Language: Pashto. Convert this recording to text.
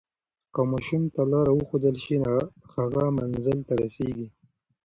که ماشوم ته لاره وښودل شي، هغه منزل ته رسیږي.